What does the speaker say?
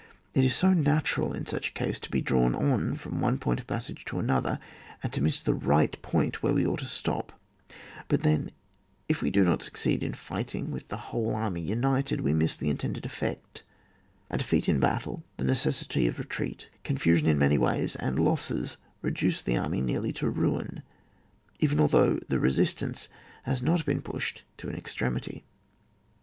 It is so natural in such a case to be drawn on from one point of passage to another, and to miss the right point where we ought to stop ; but then, if we do not succeed in fighting with the whole army united, we miss the intended effect; a defeat in battle, the necessity of retreat, confusion in many ways and losses re duce the army nearly to ruin, even al though the resistance has not been pushed to an extremity.